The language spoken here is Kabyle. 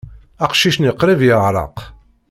Aqcic-nni qrib yeɣreq.